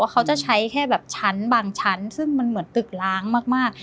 เขาจะใช้แค่แบบชั้นบางชั้นซึ่งมันเหมือนตึกล้างมาก